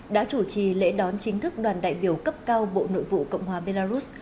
đã chủ trì lễ đón chính thức đoàn đại biểu cấp cao bộ nội vụ cộng hòa belarus